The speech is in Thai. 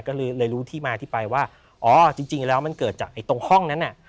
ก็เลยรู้ที่มาที่ไปว่าอ๋อจริงแล้วมันเกิดจากตรงห้องนั้นน่ะ